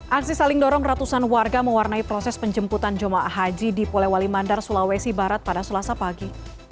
aksi saling dorong ratusan warga mewarnai proses penjemputan ⁇ jumah ⁇ haji di polewali mandar sulawesi barat pada selasa pagi